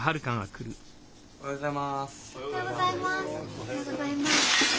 おはようございます。